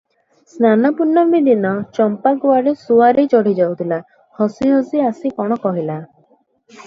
ସ୍ନାନପୂର୍ଣ୍ଣମୀ ଦିନ ଚମ୍ପା କୁଆଡ଼େ ସୁଆରି ଚଢ଼ିଯାଉଥିଲା, ହସି ହସି ଆସି କଣ କହିଲା ।